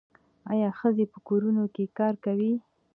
آیا ښځې په کورونو کې کار کوي؟